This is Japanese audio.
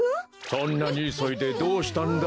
そんなにいそいでどうしたんだい？